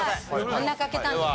真ん中開けたんで。